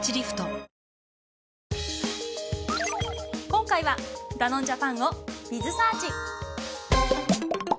今回はダノンジャパンを。